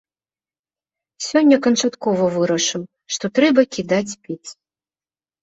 Сёння канчаткова вырашыў, што трэба кідаць піць.